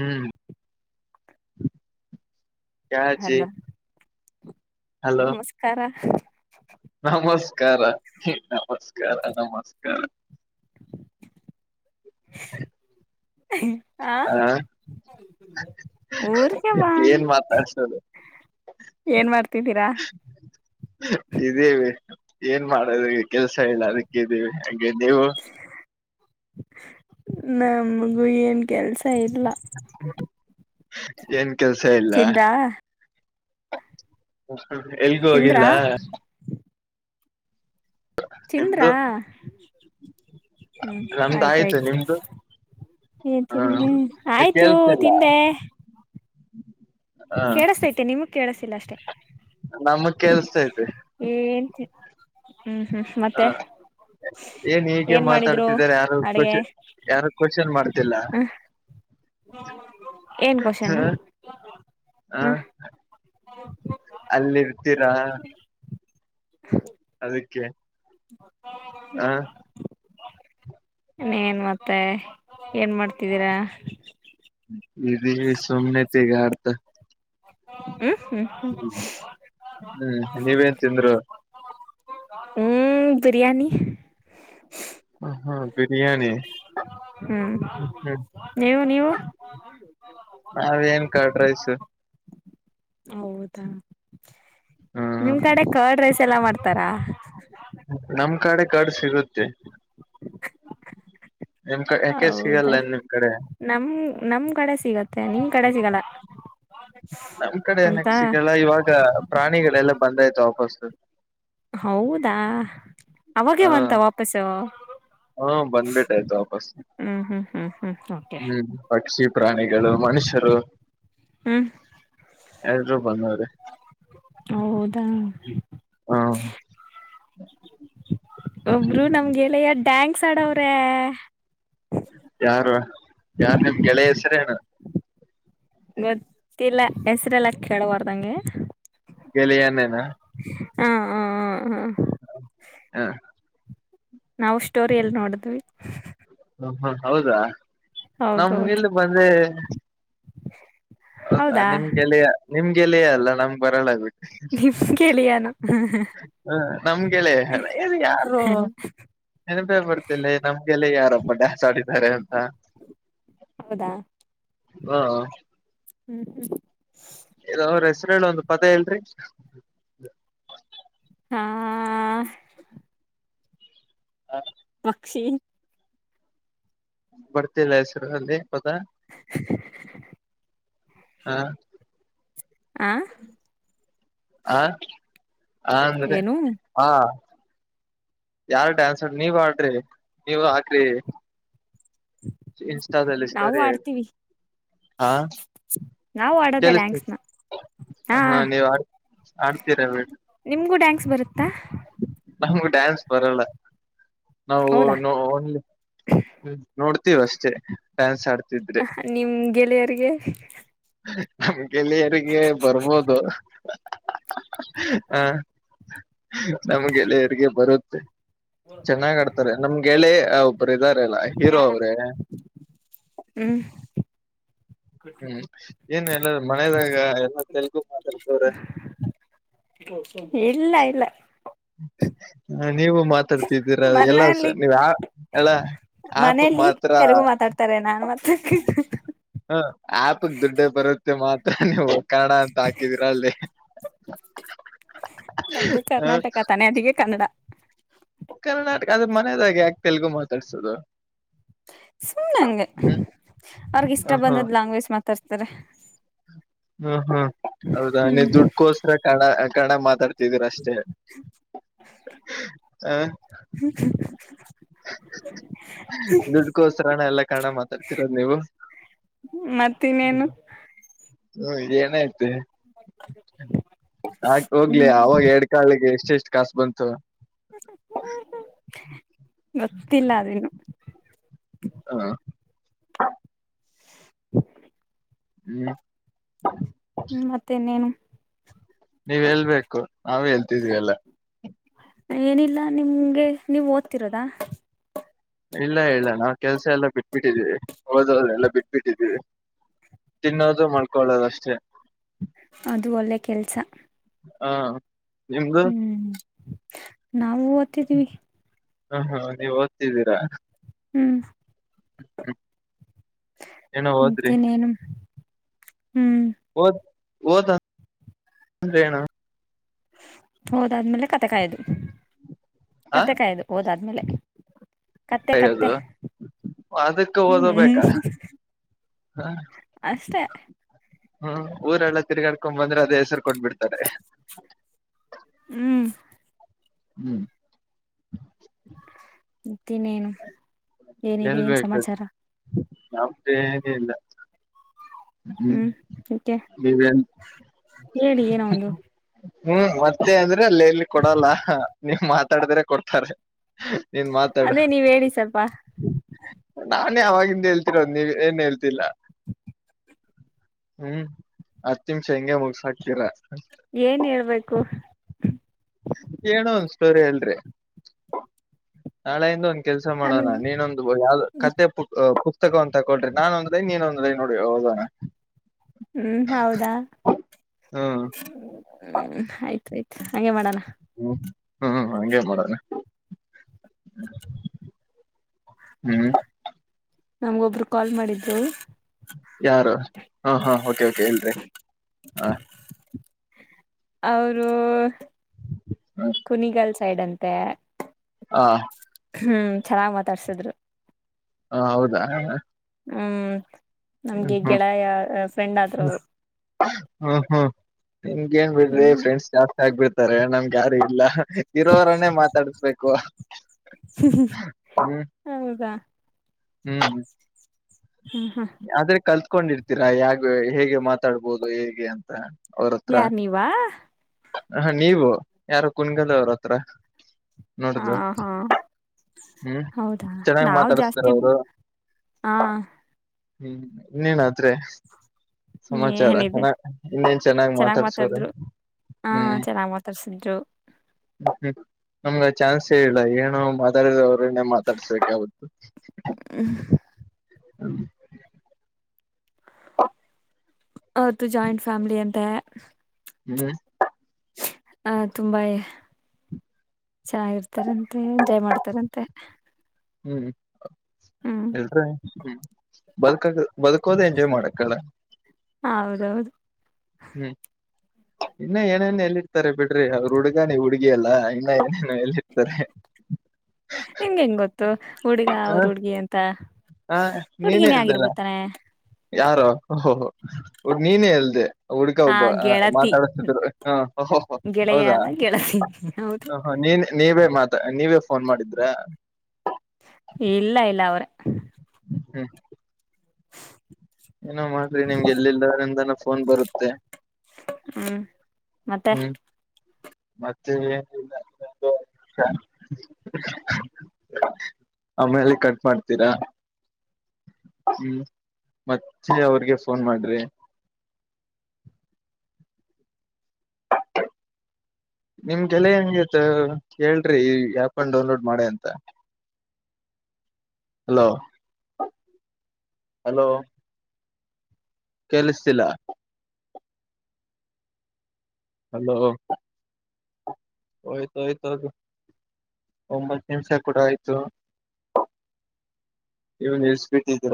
ಹ್ಮ್ ಕ್ಯಾಚಿ ಹಲೋ ನಮಸ್ಕಾರ ನಮಸ್ಕಾರ ನಮಸ್ಕಾರ ನಮಸ್ಕಾರ [unintelligible] ಆ ಊರ್ಗೆ ಬಾ ಏನ್ ಮಾತಾಡ್ಸದು? ಏನ್ ಮಾಡ್ತಿದ್ದೀರಾ? ಇದೀವಿ ಏನ್ ಮಾಡದ ಕೆಲ್ಸ ಇಲ್ಲ ಅದಕ್ಕಿದ್ದೀವಿ ಹಾಗೆ ನೀವು ನಮ್ಗೂ ಏನ್ ಕೆಲ್ಸ ಇಲ್ಲ. ಏನ್ ಕೆಲ್ಸ ಇಲ್ಲ. ತಿಂದ್ರಾ ಎಲ್ಗೂ ಹೋಗಿಲ್ಲ? ತಿಂದ್ರಾ ನಿಮ್ದು ತಿಂದ್ರಾ ಹ್ಮ್ ನಮ್ದು ಆಯ್ತು ಆಯ್ತಾಯ್ತು. ನಿಮ್ದು ಏನ್ ತಿಂದ್ರಿ ಹ ಆಯ್ತು ಕೇಳ್ಸಿಲ್ಲ ತಿಂದೆ. ಹ ಕೇಳುಸ್ತೈತೆ ನಿಮುಗ್ ಕೇಳ್ಸಿಲ್ಲ ಅಷ್ಟೆ. ನಮಗ್ ಕೇಳ್ಸ್ತೈತೆ ಏನ್ ತಿ ಹ್ಮ್ ಹ್ಮ್ ಹ ಮತ್ತೆ? ಏನ್ ಹೀಗೆ ಮಾತಾಡ್ತಿದಿದ್ದಾರೆ ಯಾರು ಅಡಗೆ ಕ್ವನ್ ಯಾರು ಕ್ವಶನ್ ಮಾಡ್ತಿಲ್ಲ ಹ್ಮ ಹ್ಮ್ ಹ್ಮ ಹ ಅಲ್ಲಿ ಇರ್ತೀರಾ ಹ ಅದಕ್ಕೆ ಹ ಇನ್ನೇನು ಮತ್ತೆ ಏನ್ ಮಾಡ್ತಿದ್ದೀರಾ ಇ ಸುಮ್ನೆ ತಗ ಆಡ್ತ ಹ ಹ್ಮ್ ಹ್ಮ್ ನೀವೇನ್ ತಿಂದರು ಹ್ಮ್ ಬಿರಿಯಾನಿ ಹಾ ಬಿರಿಯಾನಿ ಹ್ಮ್ ನೀವು ನೀವು ನಾವ ಏನ್ ಕಡ್ರೈಸ ಹೌದಾ ಹ್ಮ್ ನಿಮ್ ಕಡೆ ಕರ್ಡ್ ರೈಸ್ ಎಲ್ಲಾ ಮಾಡ್ತಾರ ನಮ್ ಕಡೆ ಕಡು ಸಿಗುತ್ತೆ ಎಮ ಹೌದಾ ನಮ್ ನಮ್ ಕಡೆ ಸಿಗುತ್ತೆ ನಮ್ ಕಡೆ ಅಂತ ನಕ್ ಸಿಗಲ್ಲ ಇವಾಗ ಪ್ರಾಣಿಗಳು ಎಲ್ಲ ಬಂದ ಆಯ್ತು ವಾಪಸ್ ಹೌದಾ ಅವಾಗೆವಂತ ವಾಪಸು ಹಾ ಬಂದ್ಬಿಟ್ಟ ಆಯ್ತು ವಾಪಸ್ ಹ್ಮ್ ಹ್ಮ್ ಹ್ಮ್ ಹ್ಮ್ ಓಕೆ ಹ್ಮ್ ಪಕ್ಷಿ ಪ್ರಾಣಿಗಳು ಮನುಷ್ಯರು ಹ್ಮ್ ಎಲ್ಲರೂ ಬಂದವರೇ ಹೌದಾ ಹಾ ಹ ಒಬ್ರು ನಮ್ಗೆಲ್ಲ ಯ ಡ್ಯಾಂಗಕ್ಸ್ ಆಡವ್ರೆ ಯಾರು ಯಾರ್ ನಿಮ್ ಗೆಳೆಯ ಹೆಸರೇಣ್ಣ ಗೊತ್ತಿಲ್ಲ ಹೆಸರೆಲ್ಲ ಕೇಳವಾರ್ದಂಗೆ ಗೆಲಿಯಾನೇನ ಹಾ ಹ ಹ ಹಾ ಹಾ ನಾವು ಸ್ಟೋರಿ ಎಲ್ಲಿ ನೋಡಿದ್ವಿ ಹ ಹ ಹೌದಾ ನಮ್ಗೆ ಹೌದೌದು ಇಲ್ಲಿ ಬಂದೆ ಹೌದಾ ನಿಮ್ಗೆಲ ನಿಮ್ಗೆಲಯೇ ಅಲ್ಲ ನಮ್ ಬರಳ ನಿಮ್ ಗೆಳೆಯನು ಹ ನಮ್ಗೆ ಗೆಳೆಯ ಅದು ಯಾರು ನೆನಪೇ ಬರ್ತಿಲ್ಲ ನಮ್ಗೆಲ್ಲ ಯಾರಬ್ಪ್ಪ ಡ್ಯಾನ್ಸ್ ಆಡಿದ್ದಾರೆ ಅಂತ ಹೌದಾ ಹಾ ಹ್ಮ್ ಹ್ಮ್ ಅವರ ಹೆಸರು ಹೇಳಿ ಒಂದು ಪದ ಹೇಳರಿ ಹ್ಮ್ ಹಾ ಪಕ್ಷಿ ಬರ್ತಿಲ್ಲ ಹೆಸರು ಅಲ್ಲಿ ಪದ ಹಾ. ಆ ಹ ಹ ಅಂದ್ರೆ ಏನು ಹಾ. ಯಾರ್ ಡ್ಯಾನ್ಸ್ ಆಡ್ರಿ ನೀವ್ ಆಡ್ರಿ ನೀವ ಹಾಕ್ರಿ. ಇನ್ಸ್ಟಾದಲ್ಲೀ ನಾವು ಸ್ಟೋರಿ ಹಾಕಿ. ಆಡ್ತೀವಿ ಹಾ ನಾವು ಆಡೋದೆ ಚಲ್ತ. ಡ್ಯಾನ್ಸ್ನ ಹಾ ನೀವು್ ಆಡ್ ಆಡ್ತೀರಾ ಬೇ. [unintelligible] ನಮಗು ಡ್ಯಾನ್ಸ್ ಬರಲ್ಲ. ನಾವು ಹೌದಾ ನೋಡ್ತೀವ ಅಷ್ಟೇ ಡ್ಯಾನ್ಸ್ ಆಡ್ತವಿ. ನಿಮ್ ಗೆಳೆಯರ್ಗೆ. ನಮ್ ಗೆಳೆಯರಿಗೆ ಬರ್ಬೋದು. ಹಾ ನಮ್ಗೆಳೆಯರಿಗೆ ಬರುತ್ತೆ. ಚೆನ್ನಾಗ್ ಆಡ್ತಾರೆ ನಮ್ಗೆೆ. ಒ್ರ ಇದ್ದಾರೆಲ್ಲ ಹೀರೋ ಯಾಡ? ಅವ್ರೇ. ಹ್ಮ್ ಹ್ಮ್ ಏನ್ ಎಲ್ಲ ಮಳದಾಗ ಎಲ್ಲ ತೆಲ್ಗು ಮಾತಾಡ್ತವ್ರ. ಇಲ್ಲ ಇಲ್ಲ. ಹ ನೀವು ಮಾತಾಡ್ತಿದ್ದೀರ ಎಲ್ಲಸ ಮನೇಲಿ ನೀ ಯ ಎಲ್ಲ. ಆಪ್ಗ್ ಮನೇಲಿ ಮಾತ್ರ ತೆಲುಗು ಮಾತಾಡ್ತಾರೆ ನಾನ್ ಮತ್ತೆ. ಹ ಆಪಕ್ ದುಡ್ಡ ಬರುತ್ತೆ ಮಾತ್ರ. ಕನ್ನಡ ಅಂಥಾ ಹಾಕಿದರ ಅಳ್ಳಿ ನಮ್ದು ಹ. ಕರ್ನಾಟಕ ತಾನೆ ಅದಕ್ಕೆ ಕನ್ನಡ. ಕರ್ನಾಟಕ ಅದ್ರ ಮನದಾಗೆ ಯಾಕೆ ತೆಲುಗು ಮಾತಾಡ್ಸೋದು. ಸುಮ್ಮ್ನೆಂ ಹ್ಮ್ ಅವ್ರಗ ಇಷ್ಟ ಬಂದದ್ ಲ್ಯಾಂಗ್ವೇಜ್ ಮಾತಾಡ್ತಾರೆ. ಹ್ಮ ಹ್ಮ್ ಹೌದಾ ನೀ ಹ್ಮ್ ದುಡ್ಕೋಸ್ರ ಕನ್ನಡ ಮಾತಾಡ. ಿದರ ಅಷ್ಟೇ ಹ. ದುಡ್ಕೋಸ್ರನ ಎಲ್ಲಾಕನ್ನಡ ಮಾತಾಡ್ತಿರೋದು ನೀವು. ಮತ್ತೆ ಇನ್ನೇನು. ಹ್ಮ ಇ ಏನ ಆಯ್ತು. ಆಕ ಹೋಗ್ಲಿ ಹ್ಮ್ ಅವಾಗ ಎಡ್ ಕಾಳಿಗೆ ಎಷ್ಟೆ ಎಷ್ಟು ಕಾಸು ಬಂತು. ಗೊತ್ತಿಲ್ಲ ಅದರು. [unintelligible] ಹ್ಮ. ಹ್ಮ್. ಹ್ಮ್ಮತ್ತೆ ಇನ್ನೇನು. ನೀವ್ ಹೇಳ್ಬೇಕು ನಾವ್ ಹೇಳ್ತಿದ್ವಿ ಎಲ್ಲ. ಏನಿಲ್ಲ ನಿಮ್ಗೆ ನೀವು ಓದ್ತಿರೋದಾ. ಇಲ್ಲ ಇಲ್ಲ ನಾವು ಕೆಲ್ಸ ಎಲ್ಲಾ ಬಿಟ್ಬಿಟ್ಟಿದ್ದೀವಿ ಒಡದು ಎಲ್ಲ ಬಿಟ್ಬಿಟ್ಟಿದ್ದೀವಿ. ತಿನ್ನೋದು ಮಳ್ಕೊಳ್ಳೋದು ಅಷ್ಟೇ. ಅದು ಒಳ್ಳೆ ಕೆಲ್ಸ. ಹಾ ನಿಮ್ದು. ಹ್ಮ್ ಓದ್ತಿದೀವಿ. ಹ್ಮ ಹ್ಮ ನೀವ್ ಓದ್ತಿದ್ದೀರಾ. ಹ್ಮ್. ಹ ಹ್ಮ. ಮತ್ತೆ ಇನ್ನೇನು. ಓ ಓದ್ [unintelligible] ಹೋದಾದ್ಮೇಲೆ ಕತ್ತೆ ಕಾಯ್ದು ಕತ್ತೆ ಕಾಯ್ದು. [unintelligible] ಹಯದು ಅದಕ್ಕ ಹ್ಮ್ ಓದಬೇಕಾ. ಹಾ. ಅಷ್ಟೇ ಹ್ಮ್ ಊರೆಲ್ಲ ತಿರ್ಗಾಡ್ಕೊಂಡ್ ಬಂದ್ರೆ ಅದೇ ಹೆಸರ್ಕೊಂಡ್ ಬಿಡ್ತಾರೆ ಹ್ಮ್ ಹ್ಮ್ ಮತ್ತೆ ಏನೇನು ಏನಿದೆ ಏನ್ ಸಮಾಚಾರ ನಮ್ದೇನಿದೆ ಇಲ್ಲಾ ಹ್ಮ್ ಯಾಕೆ ನೀವೇನ್ ಹೇಳಿ ಏನ ಒಂದು ಹ್ಮ್ ಮತ್ತೆ ಅಂದ್ರೆ ಅಲ್ಲ ಎಲ್ಲಿ ಕೊಡಲ್ಲ ನೀವ್ ಮಾತಾಡಿದ್ರೆ ಕೊಡ್ತಾರೆ ನೀನ್ ಮಾತಾಡು ಅದೇ ನೀವ್ ಹೇಳಿ ಸ್ವಲ್ಪ ನಾ ಅವವಾಗಿಂದ ಹೇಳ್ತಿರೋದು ನೀವ ಏನು ಹೇಳ್ತಿಲ್ಲ ಹ್ಮ್ ಹತ್ತ ನಿಮಿಷ ಹೆಂಗೆ ಮುಗಸ ಹಾಕ್ತೀರ ಏನ್ ಹೇಳ್ಬೇಕು ಏನು ಒಂದ ಸ್ಟೋರಿ ಅಲ್ರಿ ನಾಳೆಯಿಂದ ಒಂದ ಕೆಲ್ಸ ನನ್ ಮಾಡೋಣ ನೀನೊಂದು ಯಾವ್ದ ಕ ಪುತಕೊಂತ ತಗೊಳ್ರಿ ನಾನೊಂದು ಲೈನ್ ನೀನೊಂದು ಲೈನ್ ನೋಡಿ ಹೋಗೋಣ ಹ್ಮ್ ಹೌದಾ ಹ್ಮ್ ಆಯ್ತ ಆಯ್ತು ಹಾಗೆ ಮಾಡೋಣ ಹ್ಮ್ ಹ್ಮ್ ಹಂಗೇ ಮಾಡೋಣ ಹ್ಮ್ ನಮ್ಗೊಬ್ರು ಕಾಲ್ ಮಾಡಿದ್ರು ಯಾರು ಹಾ ಹಾ ಓಕೆ ಓಕೆ ಇಲ್ರಿ ಹ ಅವರು ಕುನಿಗಲ್ ಸೈಡ್ ಅಂತೆ ಹಾ ಹ್ಮ್ ಚೆನ್ನಾಗ್ ಮಾತಾಡ್ಸಿದ್ರು ಹ ಹೌದಾ ಹ್ಮ್ ಹ್ಮ್ ನಮ್ಗೆ ಹ್ಮ್ ಗೆಳೆಯ ಫ್ರೆಂಡ್ ಆದ್ರವರು ಹ್ಮ್ ಹ್ಮ್ ನಿಮ್ಗೆ ಏನ್ ಬಿಡಿ ಹ್ಮ್ ಫ್ರೆಂಡ್ಸ್ ಜಾಸ್ತಿ ಆಗ್ಬಿಡ್ತಾರೆ ನಮ್ಗೆ ಯಾರು ಇಲ್ಲ ಇರೋವರನ್ನೇ ಮಾತಾಡಸ್ಬೇಕು ಹೌದಾ ಹ್ಮ್ ಹ್ಮ್ ಹ ಆದ್ರೆ ಕಲ್ತ್ಕೊಂಡಿರ್ತೀರಾ ಯಾಗ ಹೇಗೆ ಮಾತಾಡ್ಬೋದು ಹೇಗೆ ಅಂತ ಅವ್ರ ಹತ್ರ ಯಾರ್ ನೀವಾ ಹ ನೀವು ಯಾರ ಕುನ್ಗಲ್ ಅವ್ರ ಹತ್ರ ಹ ನೋಡುದು ಹಾ ಹ್ಮ್ ಹೌದಾ ಚೆನ್ನಾಗ್ ನಾವವು ಮಾತಾಡಸ್ತಾರ ಜಾಸ್ತಿ ಅವರು ಹಾ ಹ್ಮ್ ಇನ್ನೇನಾ ಆದ್ರೆ ಸಮಾಚಾರ ಏನಿದೆ ಚನ್ನ ಇನ್ನೇನ್ ಚೆನ್ನಾಗ್ ಮಾತಾಡ್ಸವ್ರ ಹಾ ಚೆನ್ನಾಗ್ ಮಾತಾಡ್ಸಿದ್ರು ಹ್ಮ ನಮ್ಗೆ ಚಾನ್ಸ್ ಇಲ್ಲ ಏನು ಮಾತಾಡ ಫ್ರೆಂಡ್ ಗೆ ಮಾತಾಡ್ಸ ರಿ ಅವತ್ತು ಜಾಯಿಂಟ್ ಫ್ಯಾಮಿಲಿ ಅಂತ ಹ್ಮ್ ಹ ತುಂಬಾ ಚೆನ್ನಾಗಿರ್ತಾರೆ ಅಂತ ಎಂಜಾಯ್ ಮಾಡ್ತ ಹತಾರಂತೆ ಹ್ಮ್ ಹೇಳ್ರಿ ಹ್ಮ ಬಲ್ಕ್ ಬದುಕೋದು ಎಂಜಾಯ್ ಮಾಡಕ್ಕಲ್ಲ ಹೌದೌದು ಹ್ಮ್ ಇನ್ನ ಏನೇನ ಎಲ್ಲಿರ್ತಾರೆ ಬಿಡ್ರಿ ಅವ್ರು ಹುಡ್ಗಾನಿ ಹುಡ್ಗಿ ಎಲ್ಲಾ ಇನ್ನ ಏನೇ ಎಲ್ಲಿ ಇರ್ತಾರೆ ನಿಮ್ಗೆ ಹೆಂಗ್ ಗೊತ್ತು ಹುಡುಗ ಅವ್ರ ಹ ಹುಡ್ಗಿ ಅಂತ ಹ ನೀನೇ ಹುಡ್ಗಿನೇ ಇದ್ದರ ಆಗಿರ್ಬೋತಾನೆ ಯಾರು ಹ ನೀನೇ ಎಲ್ದೆ ಹುಡ್ಕಾ ಆ ಒಬ್ಬ ಗೆಳತಿ ಮಾತಾಡತಿದ್ರು ಹ ಗೆಳೆಯ ಹೌದಾ ಅಲ್ಲ ಗೆಳತಿ ಹೌದು ನೀನ್ ನೀವೇ ಮಾತ ನೀವೇ ಫೋನ್ ಮಾಡಿದ್ರ ಇಲ್ಲ ಇಲ್ಲ ಅವ್ರ ಹ್ಮ್ ಏನೋ ಮಾಡ್ರಿ ನಿಮ್ಗೆ ಎಲ್ಲಿಲ್ಲ್ರಂದಾನ ಫೋನ್ ಬರುತ್ತೆ. ಹ್ಮ್ ಮತ್ತೆ ಹ್ಮ್ ಮತ್ತೆ [unintelligible] ಆಮೇಲೆ ಕಟ್ ಮಾಡ್ತೀರಾ ಹ್ಮ್ ಮತ್ತೆ ಅವ್ರಿಗೆ ಫೋನ್ ಮಾಡ್ರಿ. ಹ [inaudible] ನಿಮ್ಗೆಲ ಹೆಂಗೀತ್ ಕೇಳ್ರಿ ಈ ಆಪ್ನ್ ಡೌನ್ಲೋಡ್ ಮಾಡೆ ಅಂತ. ಹ ಹಲೋ ಹಲೋ ಕೆಲಸತ್ತಿಲ ಹಲೋ ಹೋಯ್ತ ಹೋಯ್ತು ಹೋಗಿ ಒಂಬತ್ತು ನಿಮಿಷ ಕೂಡ ಆಯ್ತು ಇವ್ ನೀವ್ ಸ್ಪೀಕಿಂಗ್ ಕರೋ